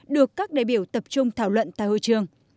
được các đại biểu tập trung thảo luận tại hội trường